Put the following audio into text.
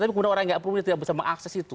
tapi kemudian orang yang tidak bisa mengakses itu